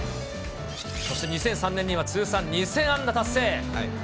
そして２００３年には、通算２０００安打達成。